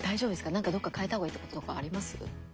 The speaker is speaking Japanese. なんかどっか変えた方がいいとことかあります？